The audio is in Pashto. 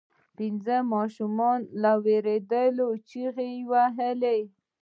پنځه ماشومان ویرېدل او چیغې یې وهلې.